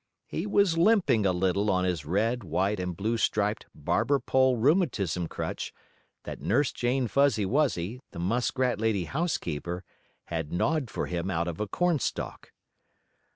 He was limping a little on his red, white and blue striped barber pole rheumatism crutch that Nurse Jane Fuzzy Wuzzy, the muskrat lady housekeeper, had gnawed for him out of a corn stalk.